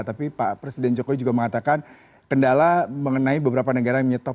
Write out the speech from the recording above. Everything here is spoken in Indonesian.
tapi pak presiden jokowi juga mengatakan kendala mengenai beberapa negara yang menyetop